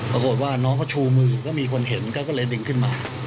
ปรากฏว่าน้องเขาชูมือก็มีคนเห็นก็เลยดึงขึ้นมา